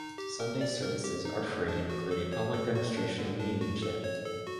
Sunday services are free and include a public Demonstration of mediumship.